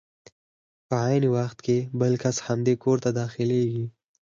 په عین وخت کې بل کس همدې کور ته داخلېږي.